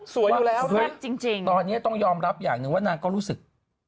สวยมากจริงตอนนี้ต้องยอมรับอย่างหนึ่งว่านางก็รู้สึก